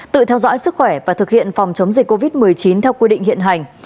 tự theo dõi sức khỏe và thực hiện phòng chống dịch covid một mươi chín theo quy định hiện hành